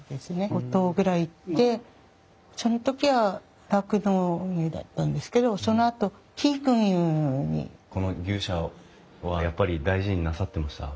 ５頭ぐらいいてその時は酪農運営だったんですけどこの牛舎はやっぱり大事になさってました？